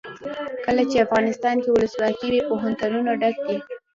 کله چې افغانستان کې ولسواکي وي پوهنتونونه ډک وي.